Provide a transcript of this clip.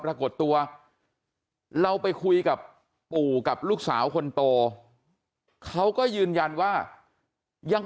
ปรากฏตัวเราไปคุยกับปู่กับลูกสาวคนโตเขาก็ยืนยันว่ายัง